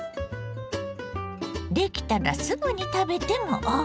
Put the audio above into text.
出来たらすぐに食べてもＯＫ！